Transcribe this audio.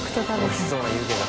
おいしそう湯気が。